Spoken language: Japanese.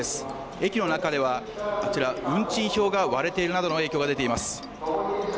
駅の中ではあちら、運賃表が割れているなどの影響が出ています。